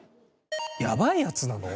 やばいヤツなの？